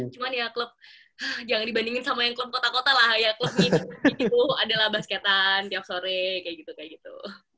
cuma ya klub yang dibandingin sama yang klub kota kota lah ya klub gitu klub gitu adalah basketan tiap sore kayak gitu kayak gitu